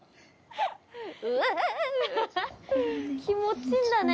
気持ちいいんだね。